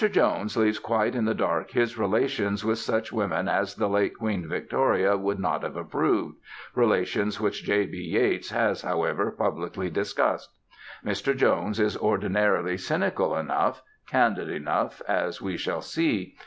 Jones leaves quite in the dark his relations with such women as the late Queen Victoria would not have approved, relations which J. B. Yeats has, however, publicly discussed. Mr. Jones is ordinarily cynical enough, candid enough, as we shall see.